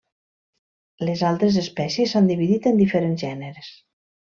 Les altres espècies s'han dividit en diferents gèneres.